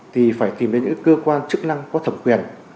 thì phải tìm đến những cơ quan chức năng có thẩm quyền